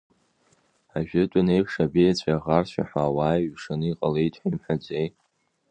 Ажәытәын еиԥш, абеиацәеи аӷарцәеи ҳәа ауаа еиҩшаны иҟалеит ҳәа имҳәаӡеи?